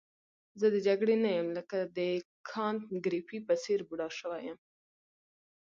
زه د جګړې نه یم لکه د کانت ګریفي په څېر بوډا شوی یم.